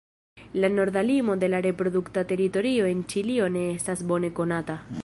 La norda limo de la reprodukta teritorio en Ĉilio ne estas bone konata.